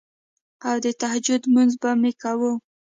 او د تهجد مونځ به مې کوو